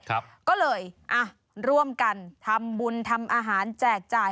ก็เลยอ่ะร่วมกันทำบุญทำอาหารแจกจ่าย